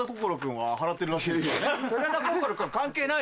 はい。